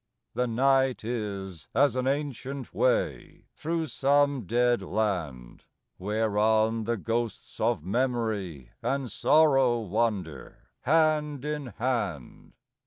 The night is as an ancient way Through some dead land, Whereon the ghosts of Memory And Sorrow wander, hand in hand.